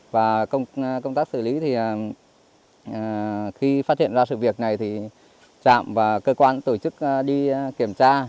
và công tác xử lý thì khi phát hiện ra sự việc này thì trạm và cơ quan tổ chức đi kiểm tra